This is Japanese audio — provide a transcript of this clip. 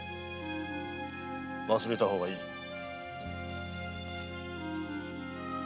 忘れた方がいい。